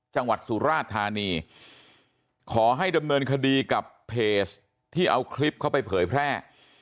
จังหวัดสุราชธานีขอให้ดำเนินคดีกับเพจที่เอาคลิปเขาไปเผยแพร่